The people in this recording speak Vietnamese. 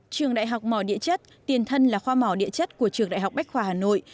trường đại học mỏ địa chất tiền thân là khoa mỏ địa chất của trường đại học bách khoa hà nội